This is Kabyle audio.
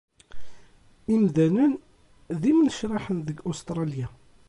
Imdanen d imnecṛaḥen deg Ustṛalya.